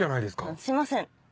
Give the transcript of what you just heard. すいません